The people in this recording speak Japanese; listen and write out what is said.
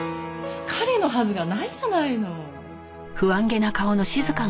彼のはずがないじゃないの。